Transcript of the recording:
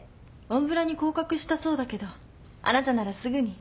陰に降格したそうだけどあなたならすぐに。